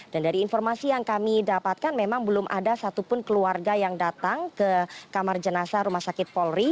dan dari informasi yang kami dapatkan memang belum ada satupun keluarga yang datang ke kamar jenazah rumah sakit polri